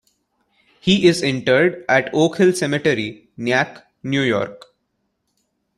He is interred at Oak Hill Cemetery, Nyack, New York.